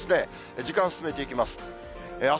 時間進めていきます。